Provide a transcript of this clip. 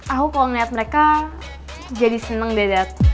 aku kalo ngeliat mereka jadi seneng dad